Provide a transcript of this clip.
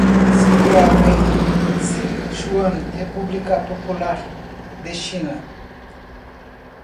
Situado en Sichuan, República Popular de China.